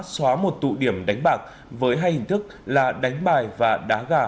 xóa một tụ điểm đánh bạc với hai hình thức là đánh bài và đá gà